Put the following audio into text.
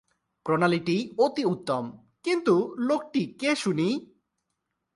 প্রণালীটি অতি উত্তম, কিন্তু লোকটি কে শুনি।